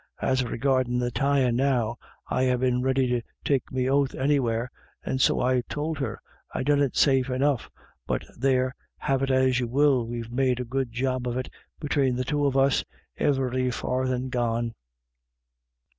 As regardin' the tyin* now, I'd ha' been ready to take me oath anywhere, and so I tould her, I done it safe enough — But there, have it as you will, we've made a good job of it between the two of us : ivery farthin* gone."